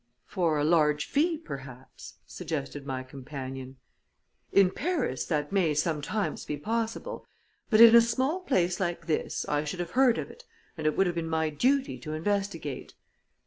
"For a large fee, perhaps," suggested my companion. "In Paris that may, sometimes, be possible. But in a small place like this, I should have heard of it, and it would have been my duty to investigate."